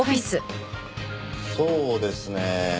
そうですね。